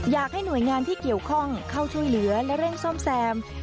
อยากให้หน่วยงานที่เกี่ยวข้องเข้าช่วยเหลือและเร่งซ่อมแซม